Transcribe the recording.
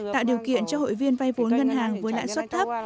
tạo điều kiện cho hội viên vay vốn ngân hàng với lãi suất thấp